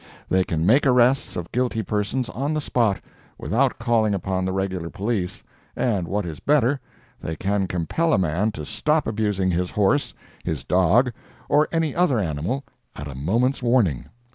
They can make arrests of guilty persons on the spot, without calling upon the regular police, and what is better, they can compel a man to stop abusing his horse, his dog, or any other animal, at a moment's warning.